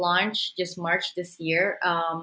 contohnya kami baru saja meluncurkan